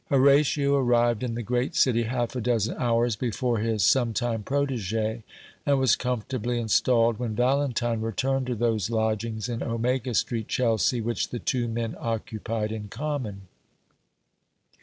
Horatio arrived in the great city half a dozen hours before his sometime protégé, and was comfortably installed when Valentine returned to those lodgings in Omega Street, Chelsea, which the two men occupied in common.